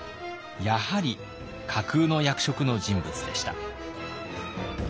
やはり架空の役職の人物でした。